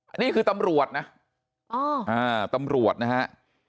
อ่านี่คือตำรวจนะอ้ออ่าตำรวจนะฮะอ่า